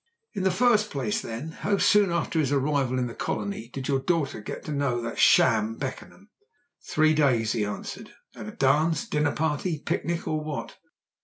"In the first place, then, how soon after his arrival in the colony did your daughter get to know that sham Beckenham?" "Three days," he answered. "At a dance, dinner party, picnic, or what?"